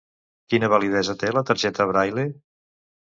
Quina validesa té la targeta Braile?